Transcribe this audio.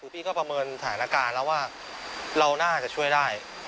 พี่ก็ประเมินสถานการณ์แล้วว่าเราน่าจะช่วยได้